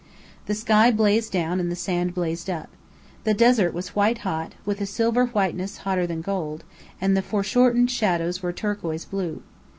The sky blazed down and the sand blazed up. The desert was white hot, with a silver whiteness hotter than gold, and the foreshortened shadows were turquoise blue.